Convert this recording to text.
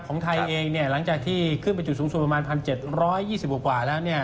ของไทยเองเนี่ยหลังจากที่ขึ้นไปจุดสูงสูงประมาณพันเจ็ดร้อยยี่สิบกว่าแล้วเนี่ย